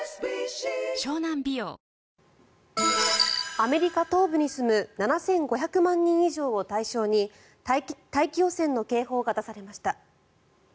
アメリカ東部に住む７５００万人以上を対象に大気汚染の警報が出されました。